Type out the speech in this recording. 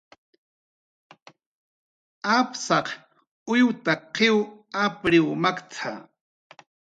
"Apsaq uyutak qiw apriw makt""a"